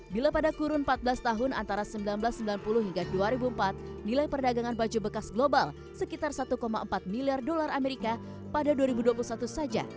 bila pada kurun empat belas tahun antara seribu sembilan ratus sembilan puluh hingga dua ribu empat nilai perdagangan baju bekas global sekitar satu empat miliar dolar amerika pada dua ribu dua puluh satu saja